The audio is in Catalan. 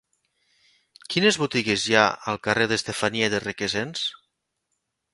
Quines botigues hi ha al carrer d'Estefania de Requesens?